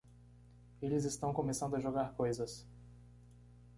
Eles estão começando a jogar coisas!